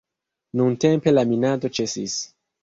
Nuntempe la minado ĉesis.